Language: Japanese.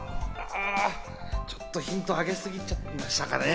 ちょっとヒントあげすぎちゃいましたかね。